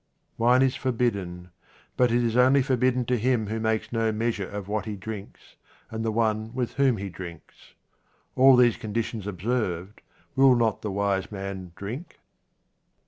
Wine is forbidden, but it is only forbidden to him who makes no measure of what he drinks, and the one with whom he drinks. All the conditions observed, will not the wise man drink